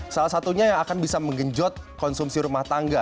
salah satunya yang akan bisa menggenjot konsumsi rumah tangga